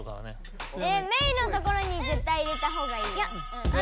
メイのところにぜったい入れたほうがいいよ。